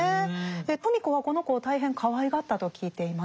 芙美子はこの子を大変かわいがったと聞いています。